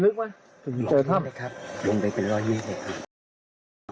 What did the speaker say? เลยได้ครับ